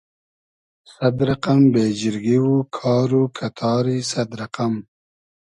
سئد رئقئم بېجیرگی و کار و کئتاری سئد رئقئم